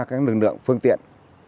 các lực lượng phương tiện